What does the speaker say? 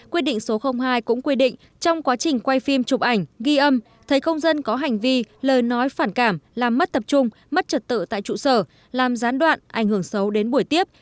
quy định số hai cũng quy định trong quá trình quay phim chụp ảnh ghi âm thấy công dân có hành vi lời nói phản cảm làm mất tập trung mất trật tự tại trụ sở làm gián đoạn ảnh hưởng xấu đến buổi tiếp